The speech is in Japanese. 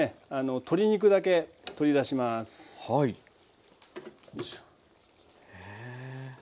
鶏肉だけ取り出します。